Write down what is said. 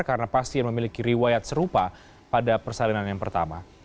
karena pasien memiliki riwayat serupa pada persalinan yang pertama